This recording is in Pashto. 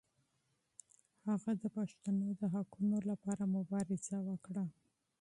هغه د پښتنو د حقونو لپاره مبارزه وکړه.